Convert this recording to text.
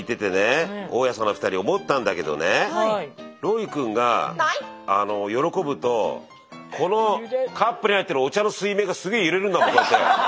ロイ君が喜ぶとこのカップに入ってるお茶の水面がすげえ揺れるんだもんこうやって。